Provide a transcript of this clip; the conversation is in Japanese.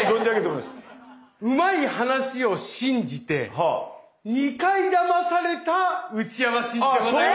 うまい話を信じて二回だまされた内山信二でございます。